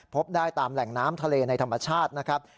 พบได้ตามแหล่งน้ำทะเลในธรรมชาตินะครับ